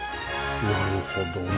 なるほどな！